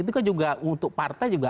itu kan juga untuk partai juga